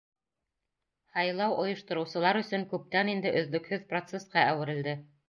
Һайлау ойоштороусылар өсөн күптән инде өҙлөкһөҙ процесҡа әүерелде.